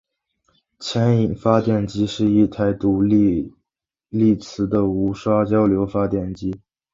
牵引发电机是一台独立励磁的无刷交流发电机。